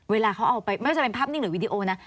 เวลาเขาเอาไปไม่ว่าจะเป็นภาพนิ่งหรือวิดีโอนะ